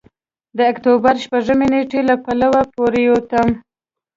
د اکتوبر شپږمې نېټې له پله پورېوتم.